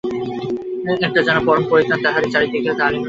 একটা যেন পরম পরিত্রাণ তাহাকে চারি দিক হইতে আলিঙ্গন করিয়া ধরিল।